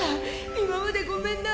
今までごめんな」